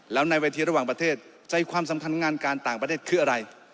แล้วในเวทีระหว่างประเทศใจความสำคัญงานการต่างประเทศคืออะไร